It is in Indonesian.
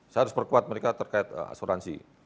saya harus perkuat mereka terkait asuransi